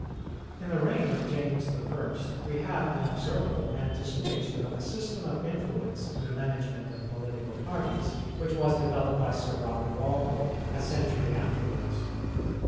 In the reign of James the First, we have an observable anticipation of the system of influence in the management of political parties, which was developed by Sir R. Walpole a century afterwards.